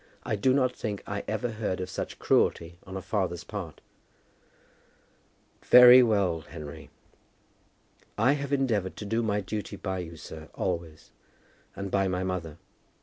I do not think I ever heard of such cruelty on a father's part." "Very well, Henry." "I have endeavoured to do my duty by you, sir, always; and by my mother.